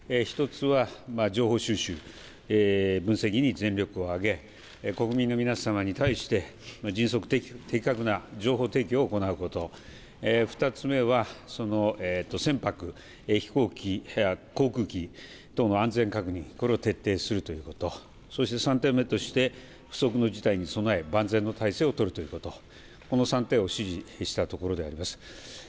１つは情報収集、分析に全力を挙げ国民の皆様に対して、迅速、的確な情報提供を行うこと、２つ目は船舶、飛行機、航空機等の安全確認、これを徹底するということ、そして３点目として不測の事態に備え万全の態勢を取るということ、この３点を指示したところであります。